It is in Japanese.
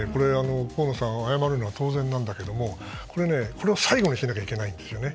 河野さんが謝るのは当然だけどこれを最後にしなきゃいけないんですよね。